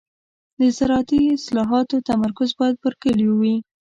د زراعتي اصلاحاتو تمرکز باید پر کليو وي.